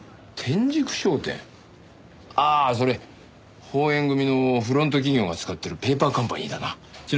ああそれ鳳怨組のフロント企業が使ってるペーパーカンパニーだな。